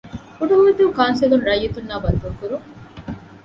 ކުޑަހުވަދޫ ކައުންސިލުން ރައްޔިތުންނާ ބައްދަލުކުރުން